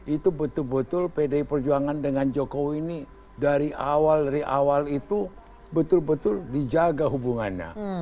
itu betul betul pdi perjuangan dengan jokowi ini dari awal dari awal itu betul betul dijaga hubungannya